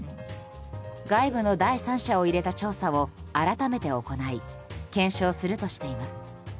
外部の第三者を入れた調査を改めて行い検証するとしています。